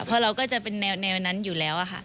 เพราะเราก็จะเป็นแนวนั้นอยู่แล้วค่ะ